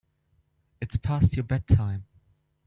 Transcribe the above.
It's past your bedtime.